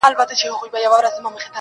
په عزت په شرافت باندي پوهېږي~